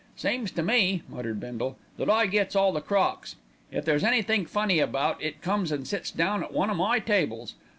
"Seems to me," muttered Bindle, "that I gets all the crocks. If there's anythink funny about, it comes and sits down at one o' my tables.